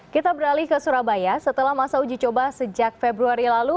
kita beralih ke surabaya setelah masa uji coba sejak februari lalu